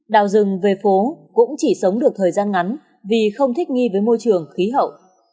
đào rừng về phố cũng chỉ sống được thời gian ngắn vì không thích nghi với môi trường khí hậu